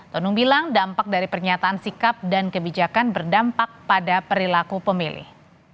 tonung bilang dampak dari pernyataan sikap dan kebijakan berdampak pada perilaku pemilih